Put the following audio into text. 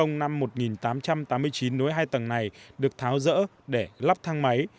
năm một nghìn chín trăm tám mươi chín nối hai tầng này được tháo rỡ để lắp thang máy